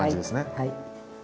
はい。